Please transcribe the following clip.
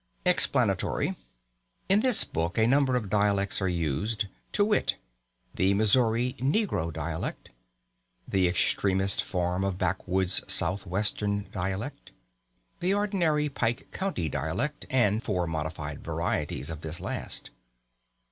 EXPLANATORY In this book a number of dialects are used, to wit: the Missouri negro dialect; the extremest form of the backwoods Southwestern dialect; the ordinary "Pike County" dialect; and four modified varieties of this last.